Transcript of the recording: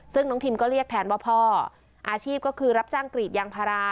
ซึ่งน้องทิมก็เรียกแทนว่าพ่ออาชีพก็คือรับจ้างกรีดยางพารา